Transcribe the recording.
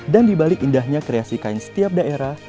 dan dibalik indahnya kreasi kain setiap daerah